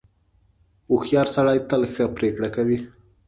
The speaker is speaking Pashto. • هوښیار سړی تل ښه پرېکړه کوي.